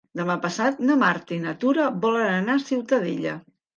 Demà passat na Marta i na Tura volen anar a Ciutadilla.